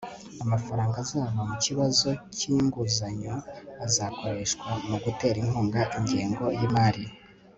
amafaranga azava mu kibazo cy'inguzanyo azakoreshwa mu gutera inkunga ingengo y'imari